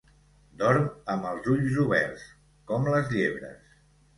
Dorm amb els ulls oberts, com les llebres.